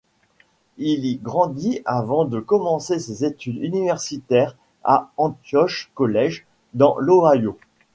Il y grandit avant de commencer ses études universitaires à Antioch College, dans l'Ohio.